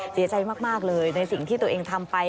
เสียใจมากเลยในสิ่งที่ตัวเองทำไป